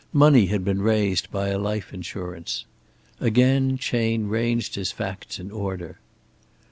Money had been raised by a life insurance. Again Chayne ranged his facts in order.